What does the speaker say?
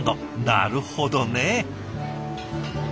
なるほどね！